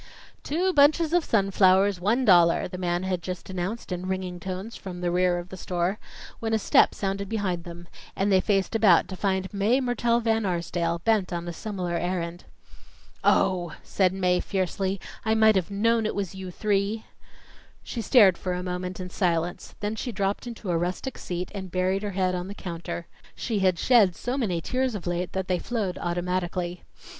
"Two bunches of sunflowers, one dollar," the man had just announced in ringing tones from the rear of the store, when a step sounded behind them, and they faced about to find Mae Mertelle Van Arsdale, bent on a similar errand. "Oh!" said Mae, fiercely, "I might have known it was you three." She stared for a moment in silence, then she dropped into a rustic seat and buried her head on the counter. She had shed so many tears of late that they flowed automatically.